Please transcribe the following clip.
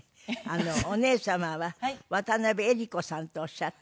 お姉様は渡辺江里子さんっておっしゃって５１歳。